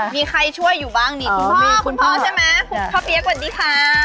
มีใครช่วยอยู่บ้างนี่คุณพ่อคุณพ่อใช่ไหมคุณพ่อเปี๊ยกสวัสดีค่ะ